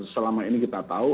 selama ini kita tahu